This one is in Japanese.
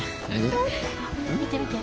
・見て見て。